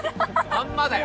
まんまだよ